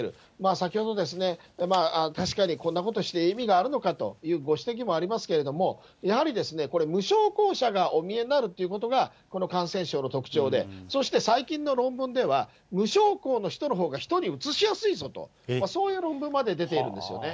先ほどですね、確かにこんなことして意味があるのかというご指摘もありますけれども、やはりですね、これ、無症候者がお見えになるということが、この感染症の特徴で、そして最近の論文では無症候の人のほうが、人にうつしやすいぞと、そういう論文まで出ているんですよね。